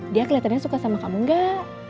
dia kelihatannya suka sama kamu enggak